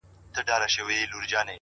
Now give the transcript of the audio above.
o او خپل سر يې د لينگو پر آمسا کښېښود ـ